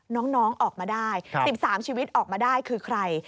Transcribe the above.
น้องออกมาได้๑๓ชีวิตออกมาได้คือใคร